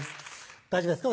大丈夫ですか？